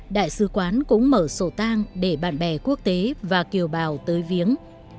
đại sứ quán cũng mở sổ tang để bạn bè quốc tế và kiều bào tới viếng